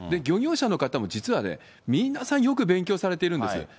漁業者の方も実はね、皆さんよく勉強されてるんです。